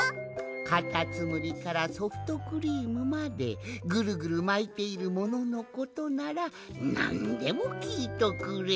かたつむりからソフトクリームまでぐるぐるまいているもののことならなんでもきいとくれ。